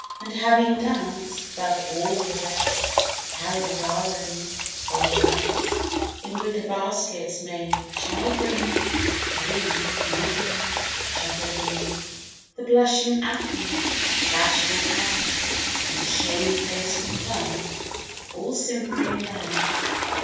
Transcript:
And having danced ('bove all the best) Carry the garland from the rest, In wicker baskets maids shall bring To thee, my dearest shepherdling, The blushing apple, bashful pear, And shame faced plum, all simp'ring there.